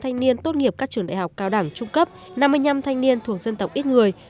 nhiệp các trường đại học cao đẳng trung cấp năm mươi năm thanh niên thuộc dân tộc ít người